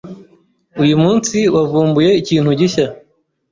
Uyu munsi wavumbuye ikintu gishya?